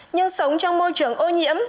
nhưng sống trong môi trường ô nhiễm